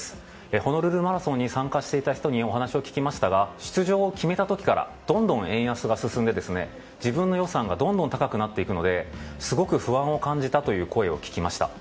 ホノルルマラソンに参加していた人にお話を決めましたが出場を決めた時からどんどん円安が進んで自分の予算がどんどん高くなっていくのですごく不安を感じたという声を聞きました。